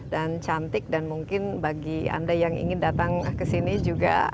dan cantik dan mungkin bagi anda yang ingin datang kesini juga